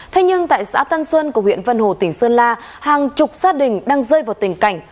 thế nhưng tại xã tân xuân của huyện vân hồ tỉnh sơn la hàng chục gia đình đang rơi vào tình cảnh